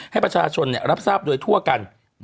ให้ประชาชนรับทราบโดยทั่วกัน